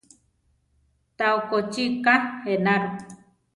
Tá okochi ká enaro.